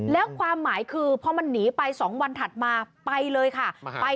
แล้วความหมายคือพอมันหนีไป๒วันถัดมาไปเลยค่ะ